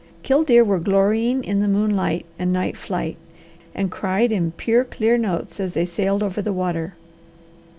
Killdeer were glorying in the moonlight and night flight, and cried in pure, clear notes as they sailed over the water.